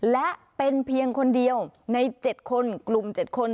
และเป็นเพียงคนเดียวใน๗คนกลุ่ม๗คน